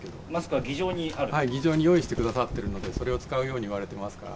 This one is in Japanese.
はい、議場に用意してくださってるので、それを使うように言われてますから。